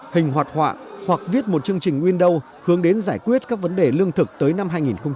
hình hoạt họa hoặc viết một chương trình windows hướng đến giải quyết các vấn đề lương thực tới năm hai nghìn ba mươi